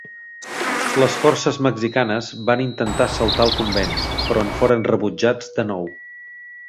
Les forces mexicanes van intentar assaltar el convent, però en foren rebutjats de nou.